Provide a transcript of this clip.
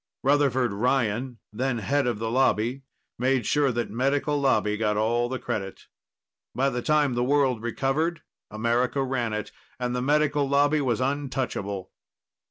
Rutherford Ryan, then head of the Lobby, made sure that Medical Lobby got all the credit. By the time the world recovered, America ran it and the Medical Lobby was untouchable.